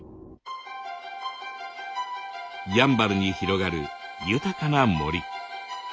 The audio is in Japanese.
やんばるに広がる豊かな森。